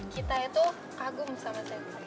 kita itu kagum sama saya